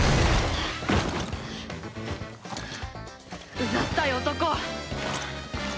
うざったい男！